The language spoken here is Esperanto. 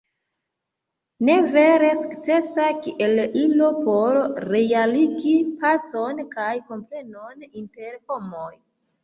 Ne vere sukcesa kiel ilo por realigi pacon kaj komprenon inter homoj.